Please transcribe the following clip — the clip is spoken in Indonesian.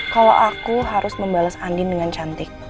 kalau aku harus membalas andin dengan cantik